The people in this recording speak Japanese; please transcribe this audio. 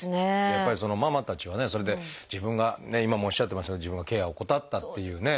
やっぱりママたちはそれで自分が今もおっしゃってましたけど自分がケアを怠ったっていうね。